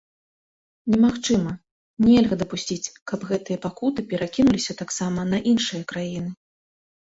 Немагчыма, нельга дапусціць, каб гэтыя пакуты перакінуліся таксама на іншыя краіны.